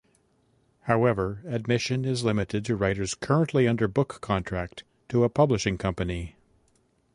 However, admission is limited to writers currently under book contract to a publishing company.